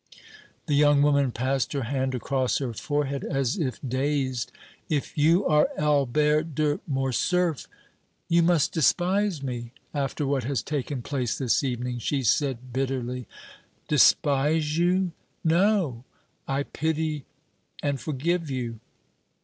The young woman passed her hand across her forehead as if dazed. "If you are Albert de Morcerf, you must despise me after what has taken place this evening," she said, bitterly. "Despise you? No, I pity and forgive you."